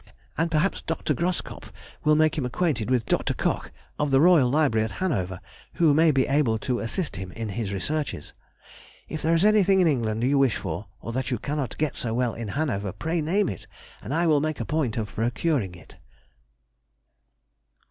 and perhaps Dr. Groskopf will make him acquainted with Dr. Koch, of the Royal Library at Hanover, who may be able to assist him in his researches.... If there is anything in England you wish for, or that you cannot get so well in Hanover, pray name it, and I will make a point of procuring it....